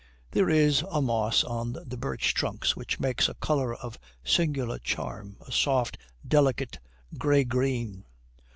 There is a moss on the birch trunks which makes a colour of singular charm, a soft, delicate, grey green.